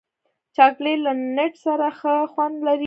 چاکلېټ له نټ سره ښه خوند لري.